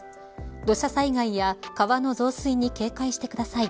土砂災害や川の増水に警戒してください。